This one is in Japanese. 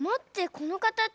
このかたち。